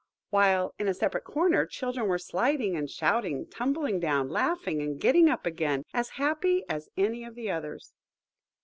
While, in a separate corner, children were sliding and shouting, tumbling down, laughing, and getting up again, as happy as any of the others.